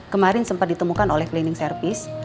kemarin sempat ditemukan oleh cleaning service